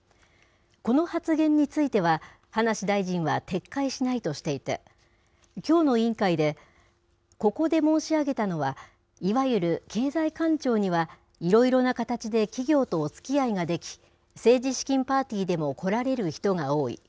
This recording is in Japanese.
この発言については、葉梨大臣は撤回しないとしていて、きょうの委員会で、ここで申し上げたのは、いわゆる経済官庁には、いろいろな形で企業とおつきあいができ、政治資金パーティーでも来られる人が多い。